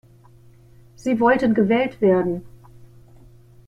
Sie wollten gewählt werden.